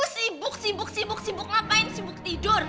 sibuk sibuk sibuk sibuk ngapain sibuk tidur